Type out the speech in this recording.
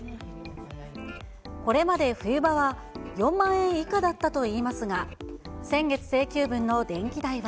これまで冬場は４万円以下だったといいますが、先月請求分の電気代は。